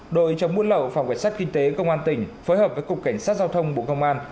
đội chống buôn lậu phòng cảnh sát kinh tế công an tỉnh phối hợp với cục cảnh sát giao thông bộ công an